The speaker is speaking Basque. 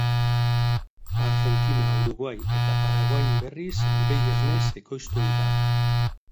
Argentina, Uruguai eta Paraguain berriz behi esnez ekoiztu ohi da.